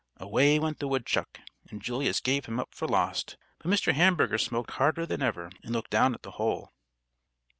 Away went the woodchuck, and Julius gave him up for lost; but Mr. Hamburger smoked harder than ever and looked down at the hole.